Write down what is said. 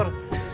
yusuf di sini